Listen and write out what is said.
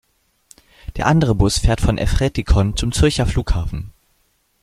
Der andere Bus fährt von Effretikon zum Zürcher Flughafen.